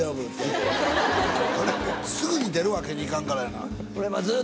すぐに出るわけにいかんからやなぁ。